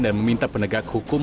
dan meminta penegak hukum